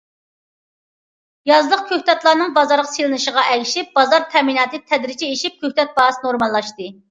يازلىق كۆكتاتلارنىڭ بازارغا سېلىنىشىغا ئەگىشىپ، بازار تەمىناتى تەدرىجىي ئېشىپ، كۆكتات باھاسى نورماللاشتى.